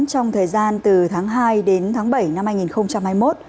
trong thời gian từ tháng hai đến tháng bảy năm hai nghìn hai mươi một